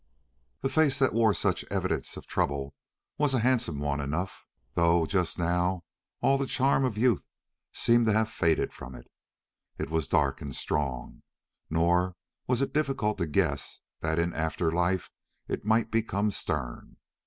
The face that wore such evidence of trouble was a handsome one enough, though just now all the charm of youth seemed to have faded from it. It was dark and strong, nor was it difficult to guess that in after life it might become stern.